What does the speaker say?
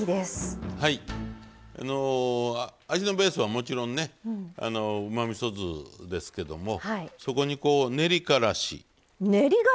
味のベースはもちろんねうまみそ酢ですけどもそこに練りからし。